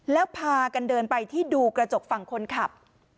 แล้วพากันเดินไปที่ดูกระจกฝั่งคนขับ